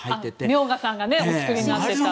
明賀さんがお作りになっていた。